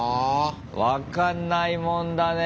分かんないもんだね。